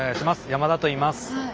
山田といいます。